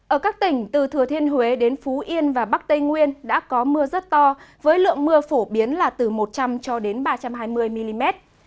ở các tỉnh từ thừa thiên huế đến phú yên và bắc tây nguyên đã có mưa rất to với lượng mưa phổ biến là từ một trăm linh cho đến ba trăm hai mươi mm